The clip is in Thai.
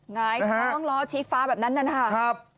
ไงต้องรอชีฟ้าแบบนั้นน่ะนะครับ